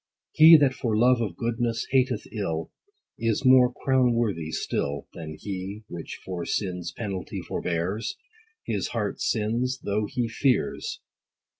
He that for love of goodness hateth ill, Is more crown worthy still, Than he, which for sin's penalty forbears ; 80 His heart sins, though he fears.